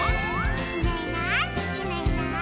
「いないいないいないいない」